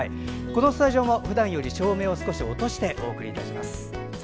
このスタジオもふだんより照明を少し落としてお送りいたします。